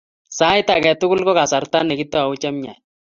Sait age tugul ko kasarta ne kitou chemiach